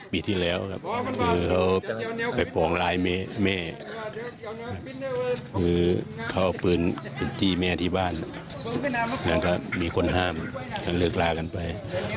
บอกบ้างไหมพี่